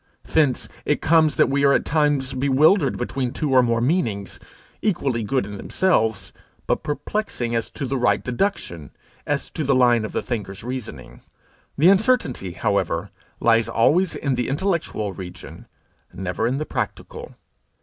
Thence it comes that we are at times bewildered between two or more meanings, equally good in themselves, but perplexing as to the right deduction, as to the line of the thinker's reasoning. The uncertainty, however, lies always in the intellectual region, never in the practical.